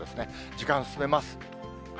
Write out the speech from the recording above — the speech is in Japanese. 時間進めます。